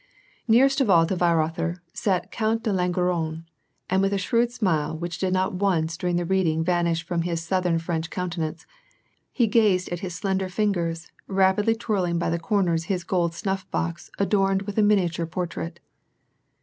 Nearest of all to Weirother, sat the Count de Langeron, and with a shrewd smile, which did not once during the reading vanish from his Southern French countenance, he gazed at his slender fingers, rapidly twirling by the corners his gold snuff box adorned with a miniature portrait.